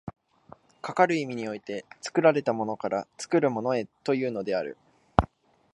かかる意味において、作られたものから作るものへというのである。